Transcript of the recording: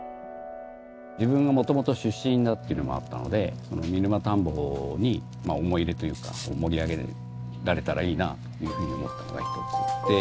自分がもともと出身だっていうのもあったので見沼たんぼに思い入れというか盛り上げられたらいいなっていうふうに思ったのが一つで。